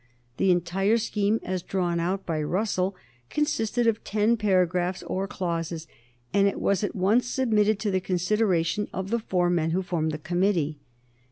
The entire scheme, as drawn out by Russell, consisted of ten paragraphs or clauses, and it was at once submitted to the consideration of the four men who formed the committee.